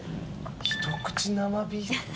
一口生ビール！？